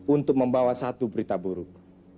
untuk membawa satu berita buruk